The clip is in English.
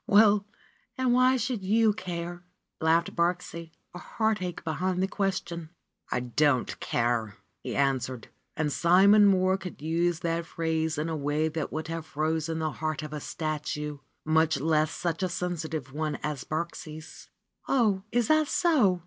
"Well, and why should you care?" laughed Birksie, a heartache behind the question. "I don't care !" he returned. And Simon Molir could use that phrase in a way that would have frozen the heart of a statue, much less such a sensitive one as Birksie's. "Oh, is that so